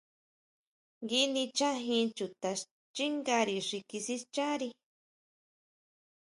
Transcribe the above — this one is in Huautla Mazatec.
Ngui nichajin chutaxchingári xi kisixchari.